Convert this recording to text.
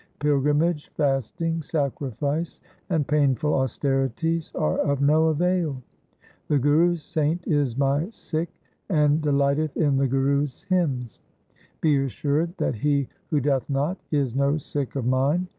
Pilgrimage, fasting, sacrifice, and painful austerities are of no avail. The Guru's saint is my Sikh, and delighteth in the Guru's hymns. Be assured that he who doth not, is no Sikh of mine.'